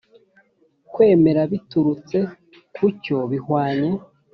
kwemera biturutse ku cyo bihwanye